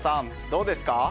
どうですか？